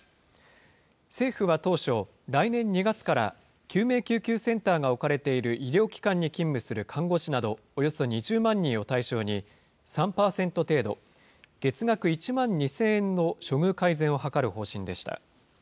政府は当初、来年２月から、救命救急センターが置かれている医療機関に勤務する看護師などおよそ２０万人を対象に、３％程度、月額１万２０００円の処遇改善を図る方針でした。